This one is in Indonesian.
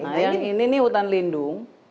nah yang ini hutan lindung